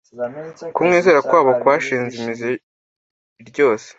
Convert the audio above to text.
ukumwizera kwabo kwashinze imizi ryose.